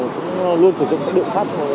cũng luôn sử dụng các điện pháp